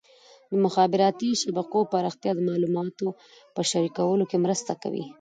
د مخابراتي شبکو پراختیا د معلوماتو په شریکولو کې مرسته کوي.